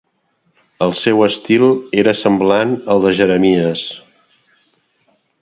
El seu estil era semblant al de Jeremies.